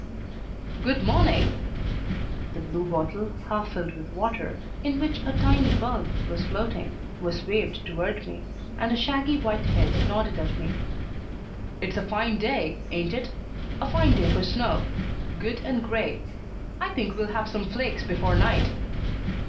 "Good morning!" The blue bottle, half filled with water, in which a tiny bulb was floating, was waved toward me, and a shaggy white head nodded at me. "It's a fine day, ain't it? a fine day for snow. Good and gray. I think we'll have some flakes before night.